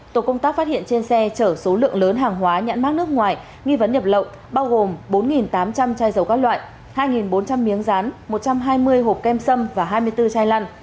tổ công tác phát hiện trên xe chở số lượng lớn hàng hóa nhãn mát nước ngoài nghi vấn nhập lậu bao gồm bốn tám trăm linh chai dầu các loại hai bốn trăm linh miếng rán một trăm hai mươi hộp kem sâm và hai mươi bốn chai lăn